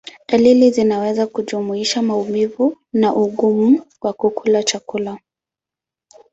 Dalili zinaweza kujumuisha maumivu na ugumu wa kula chakula.